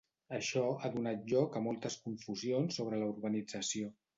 Això ha donat lloc a moltes confusions sobre la urbanització.